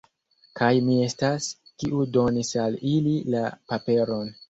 Kaj mi estas, kiu donis al ili la paperon!